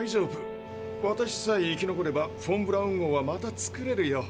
私さえ生き残ればフォン・ブラウン号はまた造れるよ。